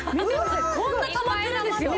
こんなたまってるんですよ。